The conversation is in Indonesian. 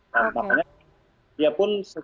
saya sudah bantu saya sudah membantu